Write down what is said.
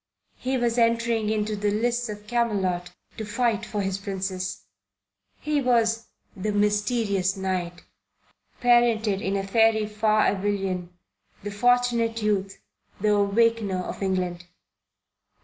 He was entering into the lists of Camelot to fight for his Princess. He was the Mysterious Knight, parented in fairy far Avilion, the Fortunate Youth, the Awakener of England.